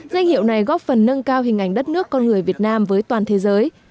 danh hiệu này góp phần nâng cao hình ảnh đất nước con người việt nam với toàn thế giới